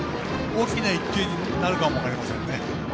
大きな１点になるかも分かりませんね。